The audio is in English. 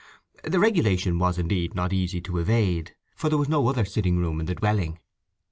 The regulation was, indeed, not easy to evade, for there was no other sitting room in the dwelling.